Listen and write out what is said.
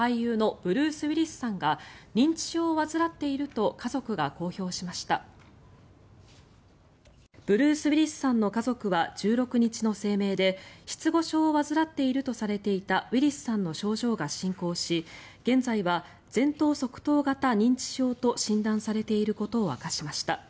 ブルース・ウィリスさんの家族は１６日の声明で失語症を患っているとされていたウィリスさんの症状が進行し現在は前頭側頭型認知症と診断されていることを明かしました。